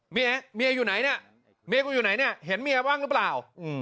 เมียเมียอยู่ไหนเนี่ยเมียกูอยู่ไหนเนี่ยเห็นเมียบ้างหรือเปล่า